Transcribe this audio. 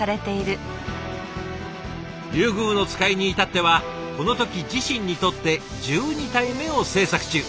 リュウグウノツカイに至ってはこの時自身にとって１２体目を制作中。